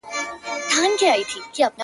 و ذهن ته دي بيا د بنگړو شرنگ در اچوم.